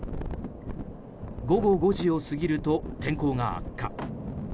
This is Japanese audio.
午後５時を過ぎると天候が悪化。